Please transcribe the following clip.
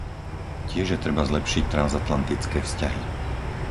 Tiež je treba zlepšiť transatlantické vzťahy.